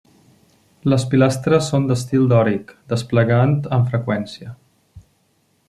Les pilastres són d'estil dòric, desplegant amb freqüència.